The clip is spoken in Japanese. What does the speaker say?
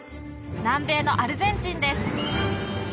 南米のアルゼンチンです